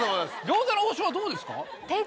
「餃子の王将」はどうですか？